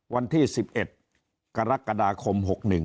วันที่๑๑กรกฎาคม๖๑